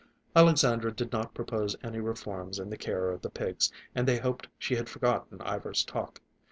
Alexandra did not propose any reforms in the care of the pigs, and they hoped she had forgotten Ivar's talk.